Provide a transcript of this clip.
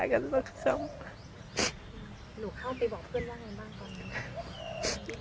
หนูเข้าไปบอกเพื่อนแล้วอย่างไรบ้าง